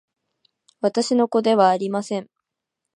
私の子ではありません